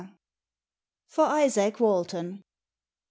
FOR IZAAK WALTON.